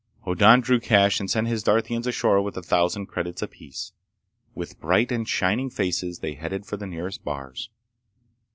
Hoddan drew cash and sent his Darthians ashore with a thousand credits apiece. With bright and shining faces, they headed for the nearest bars.